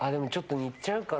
似ちゃうかな